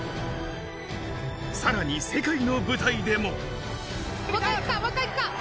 さらに世界の舞台でも。